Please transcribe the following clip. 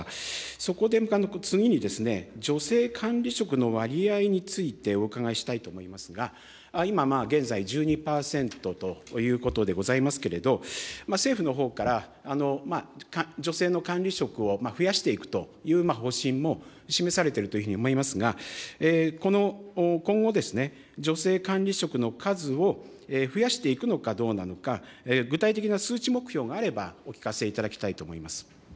そこで次に、女性管理職の割合についてお伺いしたいと思いますが、今現在１２％ということでございますけれど、政府のほうから、女性の管理職を増やしていくという方針も示されているというふうに思いますが、今後、女性管理職の数を増やしていくのかどうなのか、具体的な数値目標があれば、お聞かせいただきたいと思います。